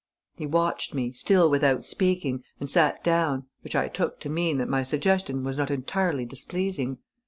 He watched me, still without speaking, and sat down, which I took to mean that my suggestion was not entirely displeasing.